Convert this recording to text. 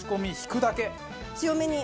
強めに？